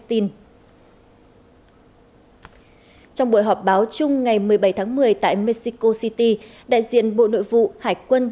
trong buổi họp báo chung ngày một mươi bảy tháng một mươi tại mexico city đại diện bộ nội vụ hải quân